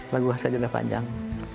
lagu sajadah panjang